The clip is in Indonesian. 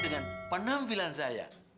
dengan penampilan saya